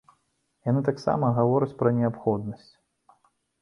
Яны таксама гавораць пра неабходнасць!